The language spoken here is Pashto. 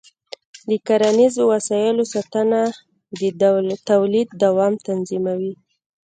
د کرنيزو وسایلو ساتنه د تولید دوام تضمینوي.